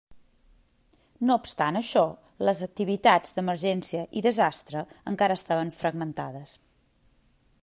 No obstant això, les activitats d'emergència i desastre encara estaven fragmentades.